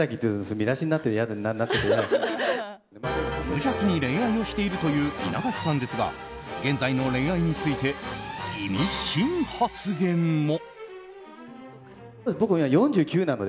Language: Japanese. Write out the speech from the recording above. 無邪気に恋愛をしているという稲垣さんですが現在の恋愛について意味深発言も。